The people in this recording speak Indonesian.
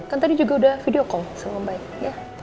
kan tadi juga udah video call sama om baik ya